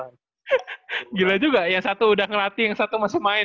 gak ada yang seumuran juga yang satu udah ngeratih yang satu masih main